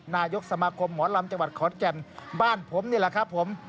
นายกสมาคมหมอลำจังหวัดขอนแก่นบ้านผมนี่แหละครับผม